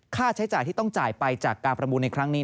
ค่าใช้จ่ายที่ต้องจ่ายไปจากการประมูลในครั้งนี้